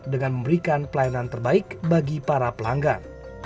dengan memberikan pelayanan terbaik bagi para pelanggan